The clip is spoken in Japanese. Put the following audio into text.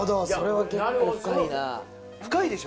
深いでしょ？